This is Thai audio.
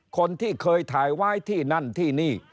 คนที่เคยถ่ายไว้ที่นั่นที่นี่